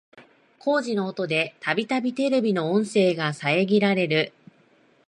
工事の音でたびたびテレビの音声が遮られる